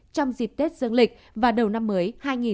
trong dịp tết dương lịch và đầu năm mới hai nghìn hai mươi